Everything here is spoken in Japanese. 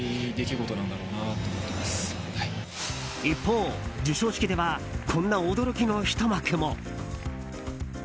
一方、授賞式ではこんな驚きのひと幕も。